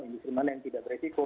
industri mana yang tidak beresiko